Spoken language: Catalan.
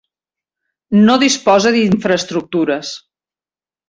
No disposa d'infraestructures.